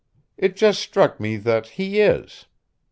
It just struck me that he is.